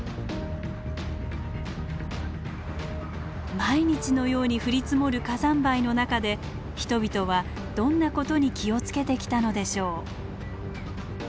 毎日のように降り積もる火山灰の中で人々はどんなことに気を付けてきたのでしょう？